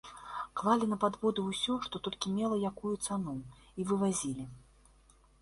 Клалі на падводы ўсё, што толькі мела якую цану, і вывазілі.